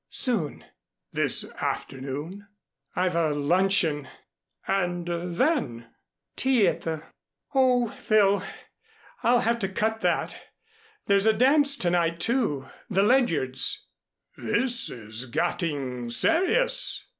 "Soon." "This afternoon?" "I've a luncheon." "And then " "Tea at the Oh, Phil, I'll have to cut that. There's a dance to night, too, the Ledyards'." "This is getting serious."